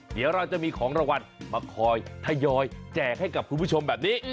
เดี๋ยวเราจะมีของรางวัลมาคอยทยอยแจกให้กับคุณผู้ชมแบบนี้